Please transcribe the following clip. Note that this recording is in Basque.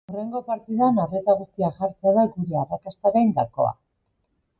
Hurrengo partidan arreta guztia jartzea da gure arrakastaren gakoa.